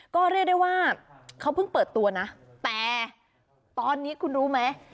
ก็เรียกได้ว่าเขาเพิ่งเปิดตัวนะแต่ตอนนี้คุณรู้ไหม